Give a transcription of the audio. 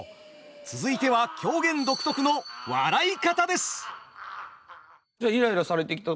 続いては狂言独特の「笑い方」です。